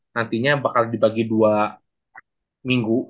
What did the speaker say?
nantinya bakal dibagi dua minggu